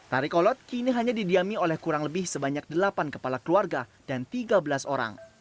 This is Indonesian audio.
tari kolot kini hanya didiami oleh kurang lebih sebanyak delapan kepala keluarga dan tiga belas orang